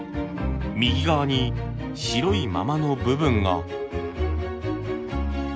右側に白いままの部分が。